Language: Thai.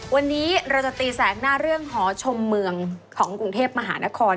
วันนี้เราจะตีแสกหน้าเรื่องหอชมเมืองของกรุงเทพมหานคร